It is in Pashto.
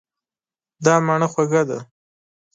دا مڼه خوږه ده.